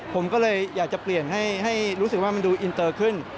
ผมก็เลยอยากจะเปลี่ยนให้รู้สึกว่ามันดูอินเตอร์ขึ้น